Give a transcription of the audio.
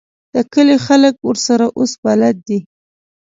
د کلي خلک ورسره اوس بلد دي.